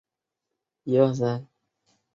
李偲嫣经常就香港教育及道德问题发表意见。